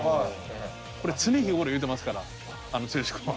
これ常日頃言うてますから剛君は。